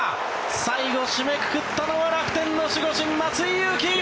最後、締めくくったのは楽天の守護神、松井裕樹。